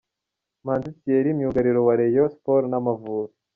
Manzi Thierry myugariro wa Rayon Sports n'Amavubi.